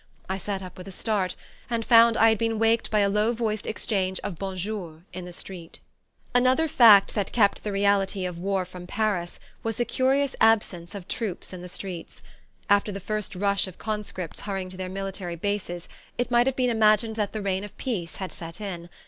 I sat up with a start, and found I had been waked by a low voiced exchange of "Bonjours" in the street... Another fact that kept the reality of war from Paris was the curious absence of troops in the streets. After the first rush of conscripts hurrying to their military bases it might have been imagined that the reign of peace had set in.